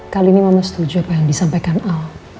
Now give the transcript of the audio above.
kali ini mama setuju apa yang disampaikan al